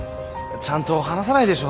ちゃんと話さないでしょ。